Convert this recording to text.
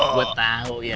gue tau ya